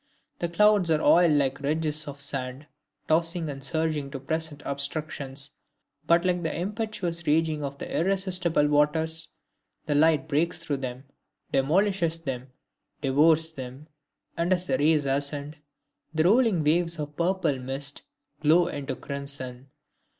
The clouds are oiled like ridges of sand, tossing and surging to present obstructions, but like the impetuous raging of irresistible waters, the light breaks through them, demolishes them, devours them, and as the rays ascend, the rolling waves of purple mist glow into crimson.